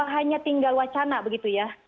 hanya tinggal wacana begitu ya